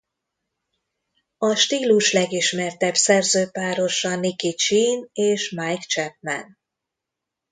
A stílus legismertebb szerzőpárosa Nicky Chinn és Mike Chapman.